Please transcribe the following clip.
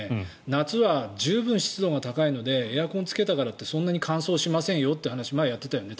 夏は十分に湿度が高いのでエアコンをつけたからってそんなに乾燥しませんよって前、やっていたよね